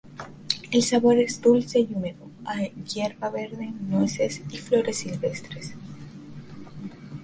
El sabor es dulce y húmedo, a hierba verde, nueces y flores silvestres.